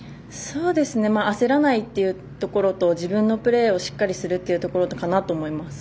焦らないっていうところと自分のプレーをしっかりするというところかなと思います。